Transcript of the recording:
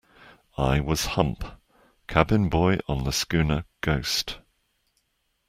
I was Hump, cabin boy on the schooner Ghost.